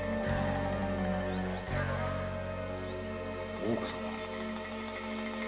大岡様。